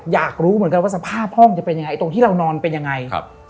อยากรู้เหมือนกันว่าสภาพห้องจะเป็นยังไงตรงที่เรานอนเป็นยังไงครับ